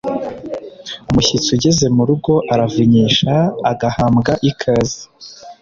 Umushyitsi ugeze mu rugo aravunyisha agahambwa ikaze.